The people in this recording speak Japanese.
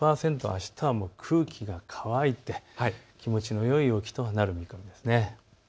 あしたは空気が乾いて気持ちのよい陽気となります。